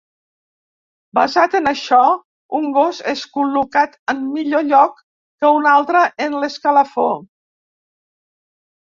Basat en això, un gos és col·locat en millor lloc que un altre en l'escalafó.